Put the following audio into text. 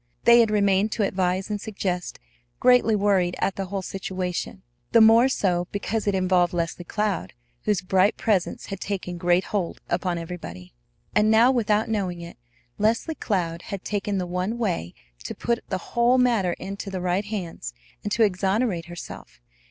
They had remained to advise and suggest, greatly worried at the whole situation, the more so because it involved Leslie Cloud, whose bright presence had taken great hold upon everybody. And now, without knowing it, Leslie Cloud had taken the one way to put the whole matter into the right hands and to exonerate herself.